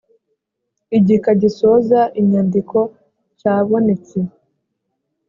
igika gisoza inyandiko cyabonetse.